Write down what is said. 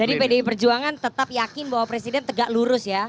jadi pdi perjuangan tetap yakin bahwa presiden tegak lurus ya